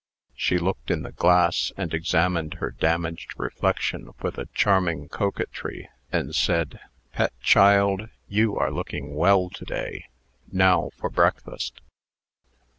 She looked in the glass, and examined her damaged reflection with a charming coquetry, and said, "Pet, child, you are looking well to day. Now for breakfast."